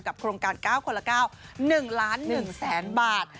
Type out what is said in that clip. โครงการ๙คนละ๙๑ล้าน๑แสนบาท